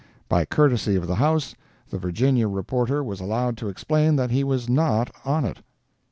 By courtesy of the House, the Virginia reporter was allowed to explain that he was not on it.